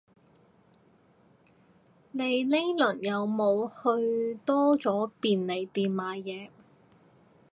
你呢輪有冇去多咗便利店買嘢